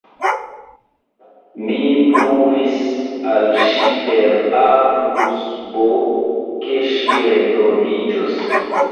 Mi pruvis al ŝi per A plus B, ke ŝi retroviĝos.